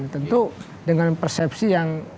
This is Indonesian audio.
tentu dengan persepsi yang